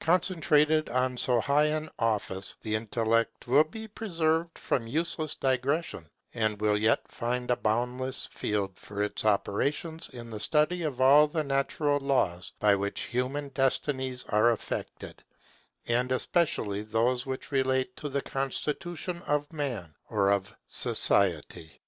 Concentrated on so high an office, the intellect will be preserved from useless digression; and will yet find a boundless field for its operations in the study of all the natural laws by which human destinies are affected, and especially those which relate to the constitution of man or of society.